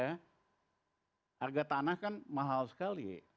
harga tanah kan mahal sekali